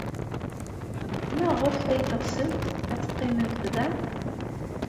Maɣef ay teɣsemt ad teqqimemt da?